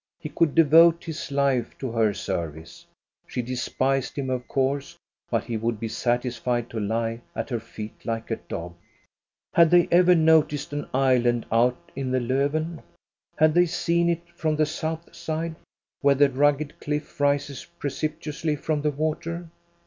He could devote his life to her service. She despised him of course. But he would be satis fied to lie at her feet like a dog. Had they ever noticed an island out in the Lofven ? Had they seen it from the south side, where the rugged cliff rises precipitously from the water?